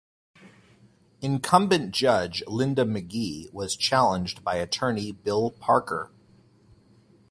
Incumbent Judge Linda McGee was challenged by attorney Bill Parker.